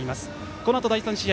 このあと、第３試合